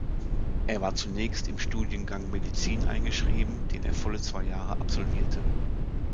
Er war zunächst im Studiengang Medizin eingeschrieben, den er volle zwei Jahre absolvierte.